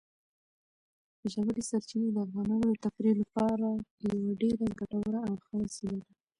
ژورې سرچینې د افغانانو د تفریح لپاره یوه ډېره ګټوره او ښه وسیله ده.